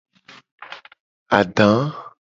Ada.